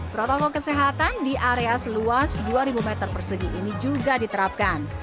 protokol kesehatan di area seluas dua ribu meter persegi ini juga diterapkan